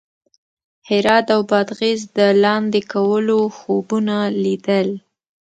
هرات او بادغیس د لاندې کولو خوبونه لیدل.